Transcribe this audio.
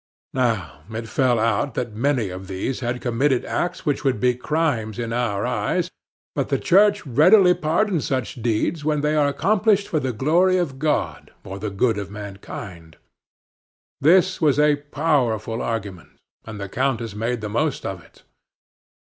Now, it fell out that many of these had committed acts which would be crimes in our eyes, but the Church readily pardons such deeds when they are accomplished for the glory of God or the good of mankind. This was a powerful argument, and the countess made the most of it.